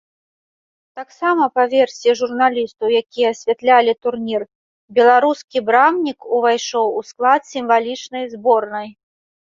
Таксама, па версіі журналістаў, якія асвятлялі турнір, беларускі брамнік увайшоў у склад сімвалічнай зборнай.